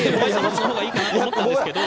そのほうがいいかなと思ったんですけど。